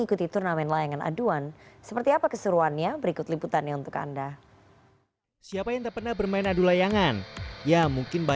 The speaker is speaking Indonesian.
ini memang teba tabeminya yang percaya ke kegerasan delik ini dedy shamsie